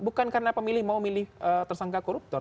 bukan karena pemilih mau milih tersangka koruptor